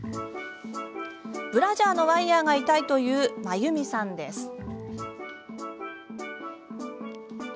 ブラジャーのワイヤーが痛いという真由美さんです。